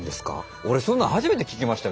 俺そんなん初めて聞きましたよ。